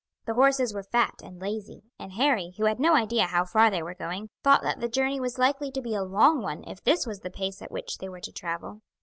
The horses were fat and lazy; and Harry, who had no idea how far they were going, thought that the journey was likely to be a long one if this was the pace at which they were to travel.